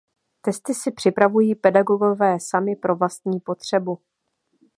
Testy si připravují pedagogové sami pro vlastní potřebu.